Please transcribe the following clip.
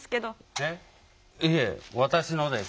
えっいえ私のです。